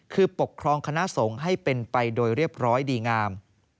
คือปกครองคณะสงฆ์ให้เป็นไปโดยเรียบร้อยดีงาม